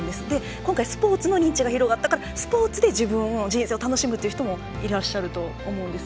今回スポーツの認知が広がったからスポーツで自分の人生を楽しむって方もいらっしゃると思うんです。